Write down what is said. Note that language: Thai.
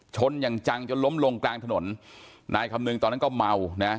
ชนอย่างจังจนล้มลงกลางถนนนายคำนึงตอนนั้นก็เมานะ